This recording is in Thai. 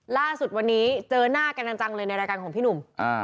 ล่าสุดวันนี้เจอหน้ากันจังเลยในรายการของพี่หนุ่ม